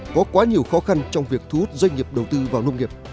có quá nhiều khó khăn trong việc thu hút doanh nghiệp đầu tư vào nông nghiệp